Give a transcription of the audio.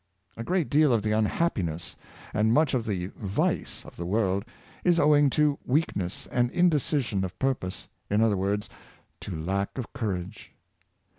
A great deal of the unhappiness, and much of the vice, of the world is owing to weakness and indecision of purpose — in other words, to lack of courage.